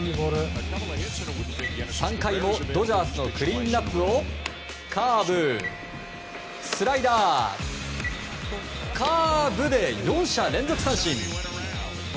３回も、ドジャースのクリーンアップをカーブスライダー、カーブで４者連続三振。